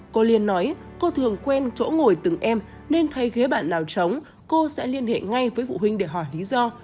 cô liên nói cô thường quen chỗ ngồi từng em nên thấy ghế bạn nào trống cô sẽ liên hệ ngay với phụ huynh để hỏi lý do